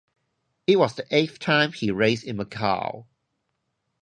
It was the eighth time he raced in Macau.